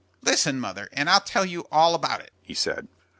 "Listen, mother, and I'll tell you all about it," he said.